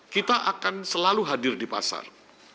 kita akan selalu hadir di pasar